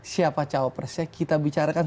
siapa jawab persisnya kita bicarakan